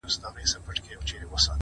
لوړ لیدلوری افقونه پراخوي،